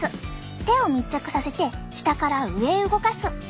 手を密着させて下から上へ動かす。